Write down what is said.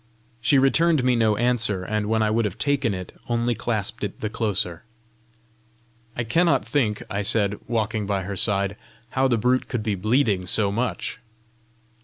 She returned me no answer, and when I would have taken it, only clasped it the closer. "I cannot think," I said, walking by her side, "how the brute could be bleeding so much!"